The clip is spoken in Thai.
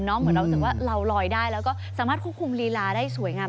เรารู้สึกว่าเราลอยได้แล้วก็สามารถควบคุมรีลาสวยงาม